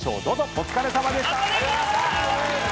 お疲れさまでした。